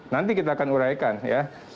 nanti kita akan uraikan ya